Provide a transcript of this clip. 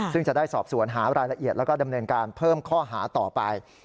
ซึ่งจะได้สอบสวนหารายละเอียดแล้วก็ดำเนินการเพิ่มข้อหาต่อไป